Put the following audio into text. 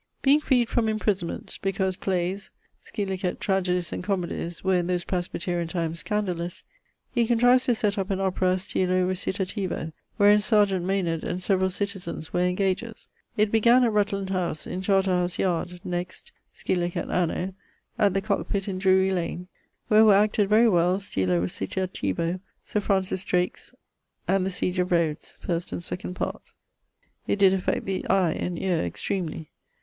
Being freed from imprisonment, (because playes, scil. Tragedies and Comoedies, were in those Presbyterian times scandalous) he contrives to set up an Opera stylo recitativo, wherein serjeant Maynard and severall citizens were engagers. It began at Rutland house, in Charter house yard; next, (scil. anno ...) at the Cock pitt in Drury lane, where were acted very well stylo recitativo, Sir Francis Drake's ..., and the Siege of Rhodes (1st and 2d part). It did affect the eie and eare extremely.